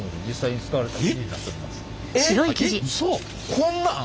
こんなん！？